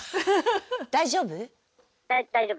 大丈夫？